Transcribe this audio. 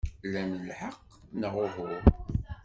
Lan lḥeqq, neɣ uhu?